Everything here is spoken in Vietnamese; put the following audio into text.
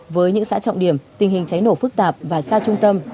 với những xã trọng điểm tình hình cháy nổ phức tạp và xa trung tâm